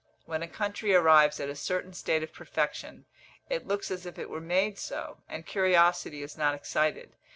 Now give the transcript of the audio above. When a country arrives at a certain state of perfection, it looks as if it were made so; and curiosity is not excited.